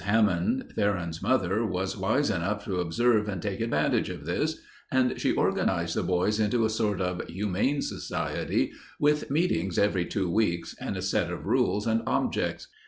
Hammond, Theron's mother, was wise enough to observe and take advantage of this, and she organized the boys into a sort of Humane Society, with meetings every two weeks, and a set of rules and objects.